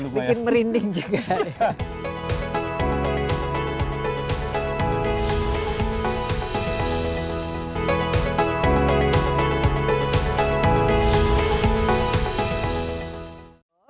bikin merinding juga ya